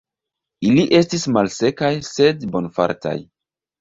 Ili estis malsekaj, sed bonfartaj.